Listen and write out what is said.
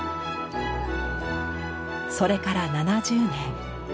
それから７０年。